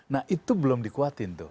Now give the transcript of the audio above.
nah itu belum dikuatin tuh